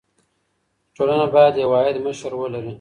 ټولنه باید یو واحد مشر ولري.